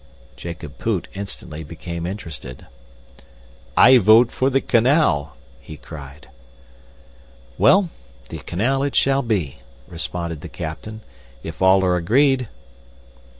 Jacob Poot instantly became interested. "I vote for the canal!" he cried. "Well, the canal it shall be," responded the captain, "if all are agreed."